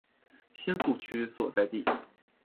新宿区所在地。